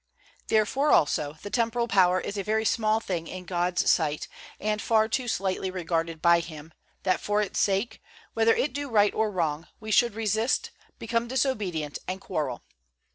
Therefore, also, the temporal power is a very small thing in God's sight, and far too slightly regarded by Him, that for its sake, whether it do right or wrong, we should resist, become disobedient and quarrel.